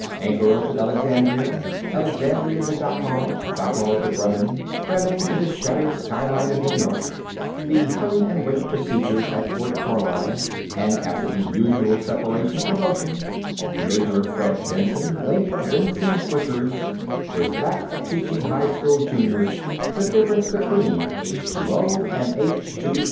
Ankara to Alexandria, Alexandria to Dakar, Dakar to Belém, Belém to the shattered skyline of New York, the "hurry and wait" procedures at Fort Carlisle, and, after the usual separation promotion, Major Fred Benson, late of Benson's Butchers, was back at teaching high school juniors the difference between H_O and H_SO_.